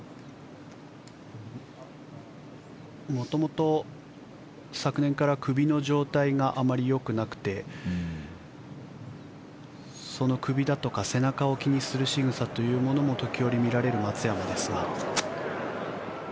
元々、昨年から首の状態があまりよくなくてその首だとか背中を気にするしぐさというのも時折、見られる松山ですが。